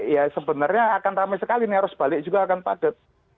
ya sebenarnya akan ramai sekali nih arus balik juga akan padat